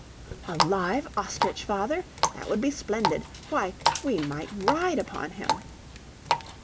"A live ostrich, father! that would be splendid. Why, we might ride upon him!"